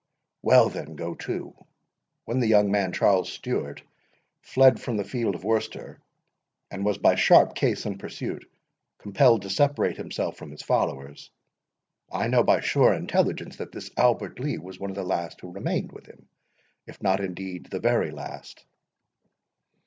"Well then, go to.—When the young man Charles Stewart fled from the field of Worcester, and was by sharp chase and pursuit compelled to separate himself from his followers, I know by sure intelligence that this Albert Lee was one of the last who remained with him, if not indeed the very last."